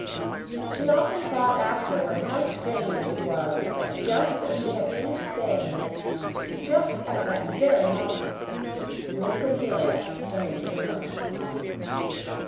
She often thought afterward how strange it was that just as she had finished saying this just at that very moment Miss Amelia came into the room.